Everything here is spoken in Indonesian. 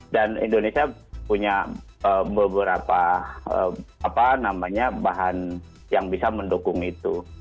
dan indonesia punya beberapa bahan yang bisa mendukung itu